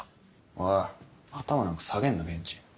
おい頭なんか下げんなケンチン。